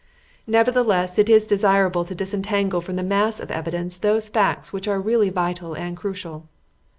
"Nevertheless, it is desirable to disentangle from the mass of evidence those facts which are really vital and crucial.